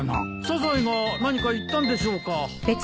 サザエが何か言ったんでしょうか。